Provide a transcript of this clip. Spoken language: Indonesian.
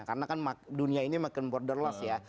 karena kan dunia ini makin borderless ya